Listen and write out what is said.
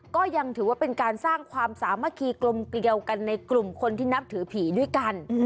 ก็ยังถือว่าเป็นการสร้างความสามัคคีกลมเกลียวกันในกลุ่มคนที่นับถือผีด้วยกัน